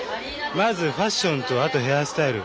まずファッションとあとヘアスタイル